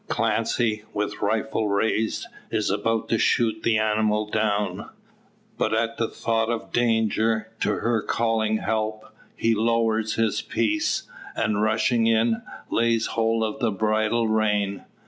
Clancy, with rifle raised, is about to shoot the animal down. But at thought of danger to her calling "help!" he lowers his piece; and rushing in, lays hold of the bridle rein.